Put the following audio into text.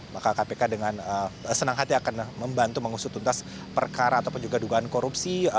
maka kpk dengan senang hati akan membantu mengusut tuntas perkara ataupun juga dugaan korupsi